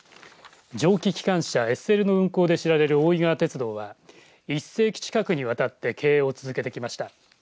蒸気機関車、ＳＬの運行で知られる大井川鉄道は１世紀近くにわたって経営を続けてきました。